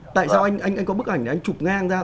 tại sao anh anh có bức ảnh này anh chụp ngang ra